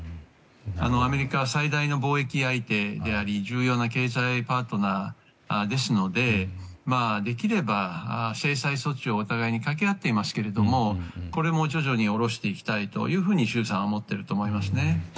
アメリカは最大の貿易相手であり重要な経済パートナーですのでできれば、制裁措置をお互いに掛け合っていますがこれも徐々に下ろしていきたいと習さんは思っていると思います。